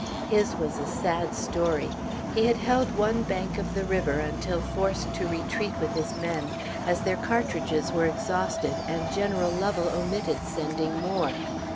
His was a sad story. He had held one bank of the river until forced to retreat with his men, as their cartridges were exhausted, and General Lovell omitted sending more.